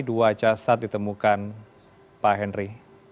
dua jasad ditemukan pak henry